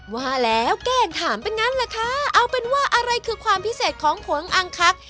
ว่าแล้วแกล้งถามเป็นงั้นล่ะคะเอาเป็นว่าอะไรคือความพิเศษของผงอังคัก